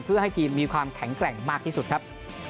เพื่อให้ทีมมีความแข็งแกร่งมากที่สุดครับ